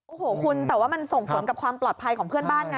โอ้โหคุณแต่ว่ามันส่งผลกับความปลอดภัยของเพื่อนบ้านนะ